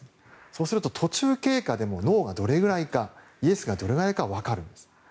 そうすると途中経過でもノーがどれくらいかイエスがどれくらいか分かるんです。